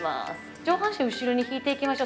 上半身、後ろに引いていきましょう。